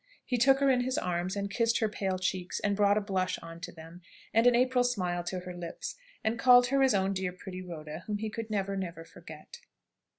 He took her in his arms, and kissed her pale cheeks, and brought a blush on to them, and an April smile to her lips; and called her his own dear pretty Rhoda, whom he could never, never forget.